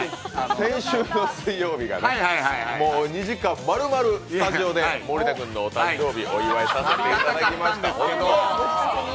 先週の水曜日がね、もう２時間丸々スタジオで森田君のお誕生日、お祝いさせていただきました。